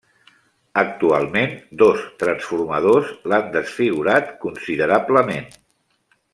Actualment, dos transformadors l'han desfigurat considerablement.